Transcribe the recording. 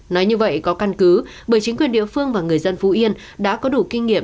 nói như vậy có căn cứ bởi chính quyền địa phương và người dân phú yên đã có đủ kinh nghiệm